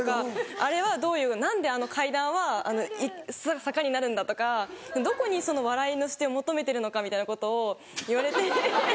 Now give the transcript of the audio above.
あれはどういう何であの階段は坂になるんだとかどこにその笑いの視点を求めてるのかみたいなことを言われて。